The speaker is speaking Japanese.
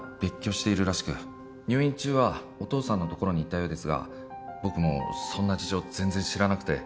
入院中はお父さんのところにいたようですが僕もそんな事情全然知らなくて。